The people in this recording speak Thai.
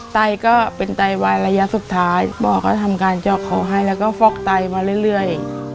ไตก็เป็นไตวายระยะสุดท้ายหมอก็ทำการเจาะคอให้แล้วก็ฟอกไตมาเรื่อย